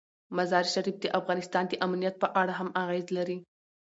مزارشریف د افغانستان د امنیت په اړه هم اغېز لري.